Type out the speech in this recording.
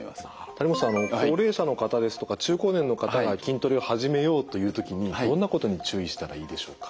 谷本さんあの高齢者の方ですとか中高年の方が筋トレを始めようという時にどんなことに注意したらいいでしょうか？